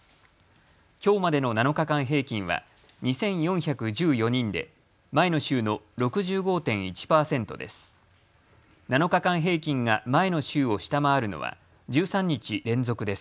きょうまでの７日間平均は２４１４人で前の週の６５．１％です。